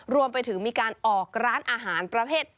รวมไปถึงมีการออกร้านอาหารประเภท